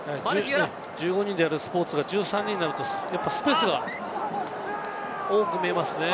１５人でやるスポーツが１３人でやると、やはりスペースが多く見えますね。